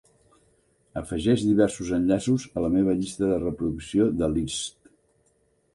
Afegeix diversos enllaços a la meva llista de reproducció de liszt.